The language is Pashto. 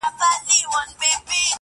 درېغه که مي ژوندون وي څو شېبې لکه حُباب,